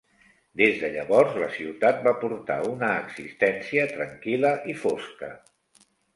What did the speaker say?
Des de llavors la ciutat va portar una existència tranquil·la i fosca.